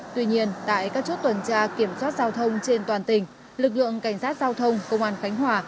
tuy nhiên tại các chốt tuần tra kiểm soát giao thông trên toàn tỉnh lực lượng cảnh sát giao thông công an khánh hòa